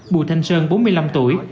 bù thanh sơn bốn mươi năm tuổi